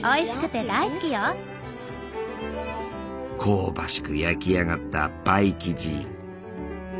香ばしく焼き上がったパイ生地。